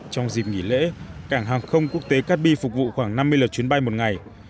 trong dịp nghỉ lễ cảng hàng không quốc tế cát bi phục vụ khoảng năm mươi lượt chuyến bay một ngày